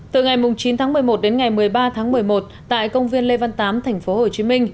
từ ngày chín tháng một mươi một đến ngày một mươi ba tháng một mươi một tại công viên lê văn tám tp hcm